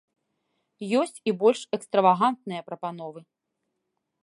Ёсць і больш экстравагантныя прапановы.